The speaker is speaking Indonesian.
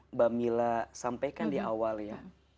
mbak mila sampaikan di awal ya